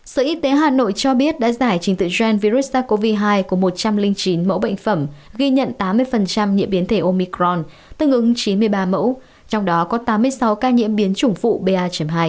sở y tế hà nội cho biết đã giải trình tự gen virus sars cov hai của một trăm linh chín mẫu bệnh phẩm ghi nhận tám mươi nhiễm biến thể omicron tương ứng chín mươi ba mẫu trong đó có tám mươi sáu ca nhiễm biến chủng phụ ba hai